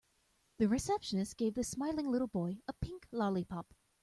The receptionist gave the smiling little boy a pink lollipop.